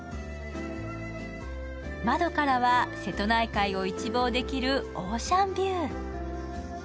窓からは瀬戸内海を一望できるオーシャンビュー。